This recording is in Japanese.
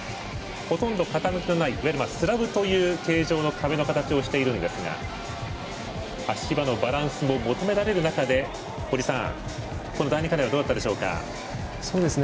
ほとんど傾きのないスラブという形状の形をしているんですが足場のバランスも求められる中で第２課題どうだったでしょうか？